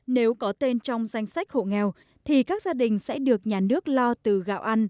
nếu có tên trong danh sách hộ nghèo thì các gia đình sẽ được nhà nước lo từ gạo ăn